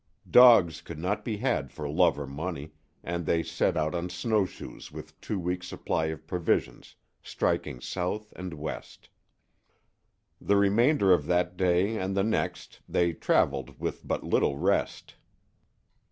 Dogs could not be had for love or money, and they set out on snowshoes with two weeks' supply of provisions, striking south and west. The remainder of that day and the next they traveled with but little rest.